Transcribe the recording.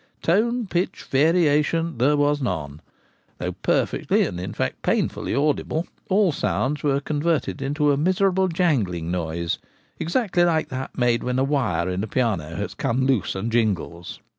Tone, pitch, variation there was none. Though perfectly, and in fact pain fully, audible, all sounds were converted into a miserable jangling noise, exactly like that made when a wire in a piano has come loose and jingles.